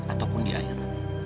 ataupun di air